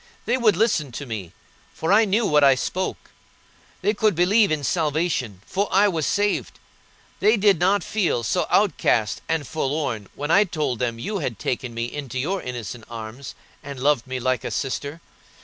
They would listen to me, for I knew what I spoke; they could believe in salvation, for I was saved; they did not feel so outcast and forlorn when I told them you had taken me into your innocent arms, and loved me like a sister.